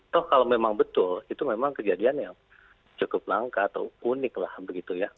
toh kalau memang betul itu memang kejadian yang cukup langka atau unik lah begitu ya